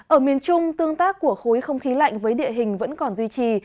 ở miền trung tương tác của khối không khí lạnh với địa hình vẫn còn duy trì